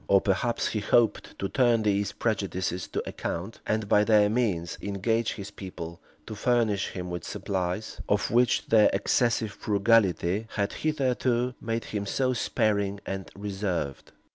Or, perhaps, he hoped to turn these prejudices to account; and, by their means, engage his people to furnish him with supplies, of which their excessive frugality had hitherto made them so sparing and reserved.